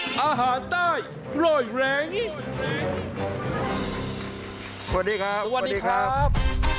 สวัสดีครับ